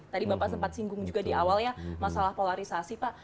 tadi bapak sempat singgung juga di awal ya masalah polarisasi pak